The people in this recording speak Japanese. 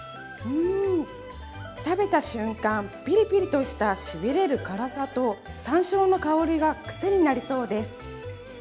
食べた瞬間、ピリピリとしたしびれる辛さとさんしょうの香りがくせになりそうです。